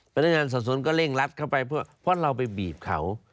พนักงานสอบสวนก็เร่งรัดเข้าไปเพื่อเพราะเราไปบีบเขา